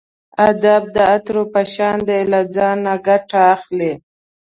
ادب د عطرو په شان دی له ځانه ګټه اخلئ.